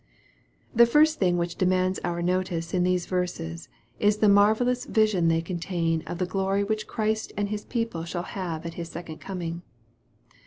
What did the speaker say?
The first thing which demands our notice in these verses, is the marvellous vision they contain of the glory which Christ and His people shall have at His second com ing.